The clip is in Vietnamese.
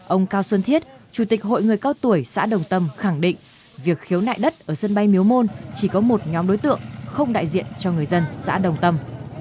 ông cao xuân thiết chủ tịch hội người cao tuổi xã đồng tâm khẳng định việc khiếu nại đất ở sân bay miếu môn chỉ có một nhóm đối tượng không đại diện cho người dân xã đồng tâm